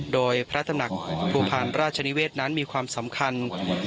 โดยพระตำหนักภูพาลราชนิเวศนั้นมีความสำคัญ